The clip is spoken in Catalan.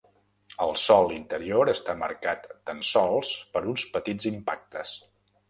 El sòl interior està marcat tan sols per uns petits impactes.